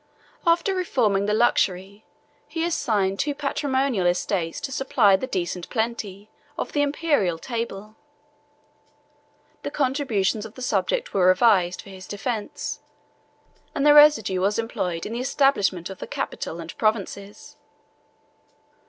After reforming the luxury, he assigned two patrimonial estates to supply the decent plenty, of the Imperial table: the contributions of the subject were reserved for his defence; and the residue was employed in the embellishment of the capital and provinces.